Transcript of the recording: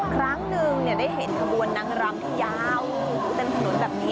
ครั้งหนึ่งเนี้ยได้เห็นครบวนนางรำที่ยาวเมืองเป็นถนนกันนี้